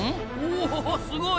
おおすごい！